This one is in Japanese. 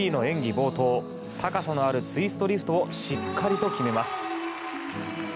冒頭高さのあるツイストリフトをしっかりと決めます。